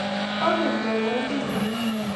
Po keny chorwandinnyo